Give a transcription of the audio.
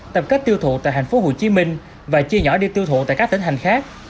tập cách tiêu thụ tại thành phố hồ chí minh và chia nhỏ đi tiêu thụ tại các tỉnh hành khác